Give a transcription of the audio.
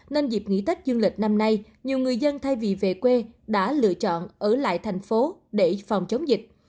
nên dịp nghỉ tết dương lịch năm nay nhiều người dân thay vì về quê đã lựa chọn ở lại thành phố để phòng chống dịch